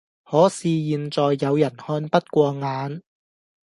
可是現在有人看不過眼